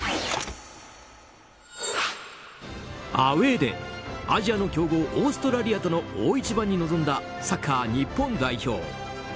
アウェーでアジアの強豪オーストラリアとの大一番に臨んだサッカー日本代表。